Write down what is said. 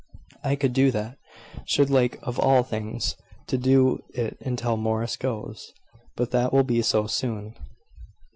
"I could do that should like of all things to do it till Morris goes: but that will be so soon